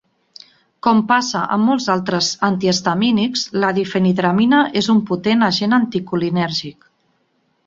Com passa amb molts altres antihistamínics, la difenhidramina és un potent agent anticolinèrgic.